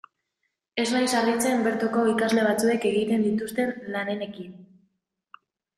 Ez naiz harritzen bertoko ikasle batzuek egiten dituzten lanenekin.